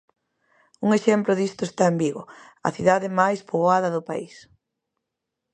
Un exemplo disto está en Vigo, a cidade máis poboada do país.